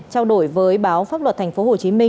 trao đổi với báo pháp luật tp hcm